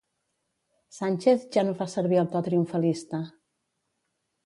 Sánchez ja no fa servir el to triomfalista.